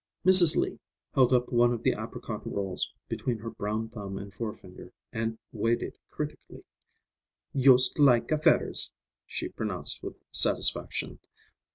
Mrs. Lee held up one of the apricot rolls between her brown thumb and forefinger and weighed it critically. "Yust like a fedders," she pronounced with satisfaction.